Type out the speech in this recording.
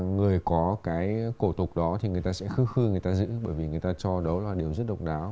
người có cái cổ tục đó thì người ta sẽ khước khư người ta giữ bởi vì người ta cho đó là điều rất độc đặc